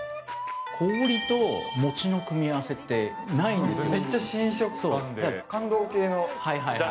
氷と餅の組み合わせってないんですよね。